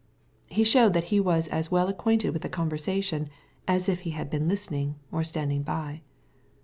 He showed that He was as well acquainted with the conversation, as if He had been listening or standing by.